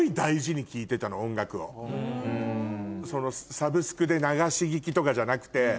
サブスクで流し聴きとかじゃなくてもう。